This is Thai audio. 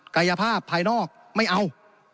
กายภาพภายนอกไม่เอา